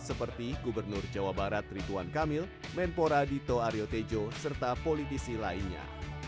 seperti gubernur jawa barat ridwan kamil menpora dito aryo tejo serta politisi lainnya